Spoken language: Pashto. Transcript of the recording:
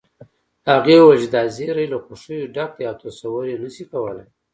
هغې وويل چې دا زيری له خوښيو ډک دی او تصور يې نشې کولی